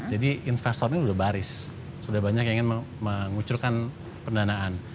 jadi investor ini sudah baris sudah banyak yang ingin mengucurkan pendanaan